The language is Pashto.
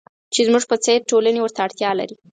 چې زموږ په څېر ټولنې ورته اړتیا لري.